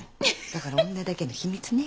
だから女だけの秘密ね。